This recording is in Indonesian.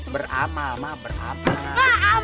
beramal ma beramal